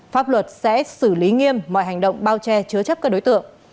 pháp luật sẽ xử lý nghiêm mọi hành động bao che chứa chấp các đối tượng